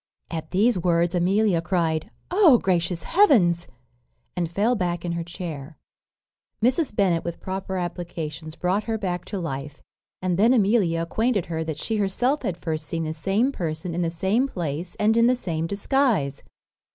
At these words Amelia cried, "O, gracious heavens!" and fell back in her chair. Mrs. Bennet, with proper applications, brought her back to life; and then Amelia acquainted her that she herself had first seen the same person in the same place, and in the same disguise.